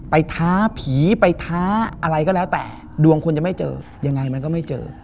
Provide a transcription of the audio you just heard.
ท้าผีไปท้าอะไรก็แล้วแต่ดวงคนจะไม่เจอยังไงมันก็ไม่เจอ